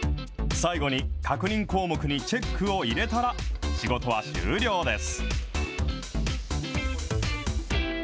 最後に確認項目にチックを入れたら、仕事は終了です。